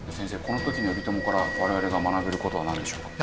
この時の頼朝から我々が学べる事はなんでしょうか？